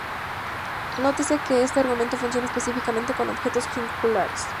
Nótese que este argumento funciona específicamente con objetos circulares.